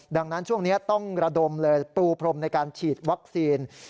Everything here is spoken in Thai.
ดังนั้นช่วงนี้ต้องระดมเลยปูพรมในการฉีดวัคซีน